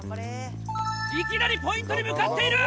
いきなりポイントに向かっている！